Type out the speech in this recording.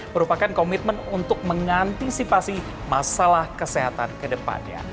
merupakan komitmen untuk mengantisipasi masalah kesehatan kedepannya